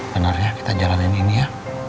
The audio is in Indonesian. benar ya kita jalanin ini ya